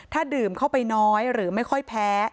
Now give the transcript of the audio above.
ถ้าดื่มเข้าไปน้อยหรือไม่ค่อยแพ้